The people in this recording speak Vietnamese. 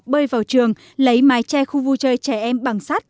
bơi vào trường lấy mái che khu vui chơi trẻ em bằng sắt